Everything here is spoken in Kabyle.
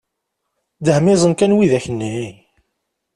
Dehmiẓen kan widak nni!